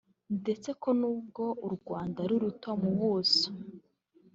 ndetse ko nubwo u Rwanda ari ruto mu buso